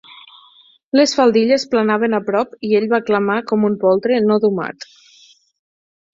Les faldilles planaven a prop i ell va clamar com un poltre no domat.